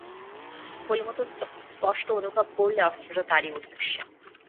হরিমতি স্পষ্ট অনুভব করলে, অস্ত্রটা তারই উদ্দেশে।